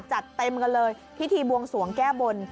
จัดเต็มกันเลยพิธีบวงสวงแก้บน